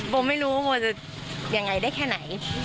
บ่ไม่รู้ว่าบ่จะอย่างไรได้แค่ไหน